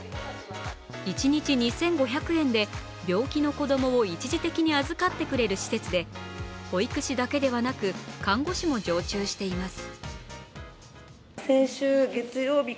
一日２５００円で病気の子供を一時的に預かってくれる施設で保育士だけではなく看護師も常駐しています。